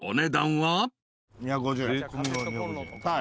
はい。